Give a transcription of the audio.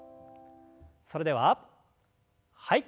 それでははい。